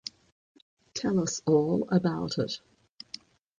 Tell us all about it.